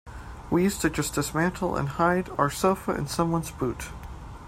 We used to just dismantle and hide our sofa in someone's boot.